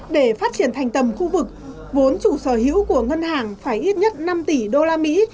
để phát triển thành tầm khu vực vốn chủ sở hữu của ngân hàng phải ít nhất năm tỷ usd